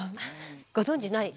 ご存じない。